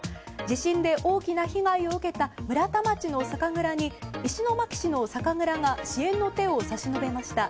地震で大きな被害を受けた村田町の酒蔵に石巻市の酒蔵が支援の手を差し伸べました。